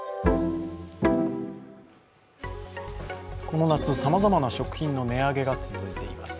この夏、さまざまな食品の値上げが続いています。